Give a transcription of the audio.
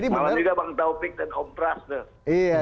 malam juga bang taufik dan om pras